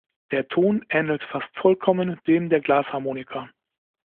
Der Ton ähnelt fast vollkommen dem der Glasharmonika.